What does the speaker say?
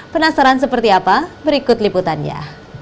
penasaran seperti apa berikut liputannya